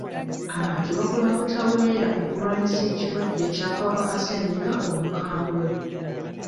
Abantu bakola butaweera okulwanyisa ekirwadde ky'akawuka ka ssenyiga omukambwe.